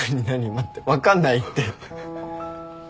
待って分かんないって。